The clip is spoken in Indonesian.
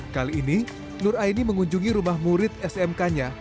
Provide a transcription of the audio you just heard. kali ini nur aini mengunjungi rumah murid smk nya